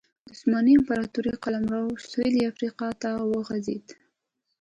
د عثماني امپراتورۍ قلمرو شولې افریقا ته وغځېد.